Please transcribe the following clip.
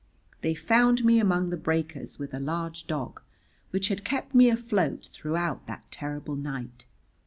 They found me among the breakers with a large dog, which had kept me afloat throughout that terrible night.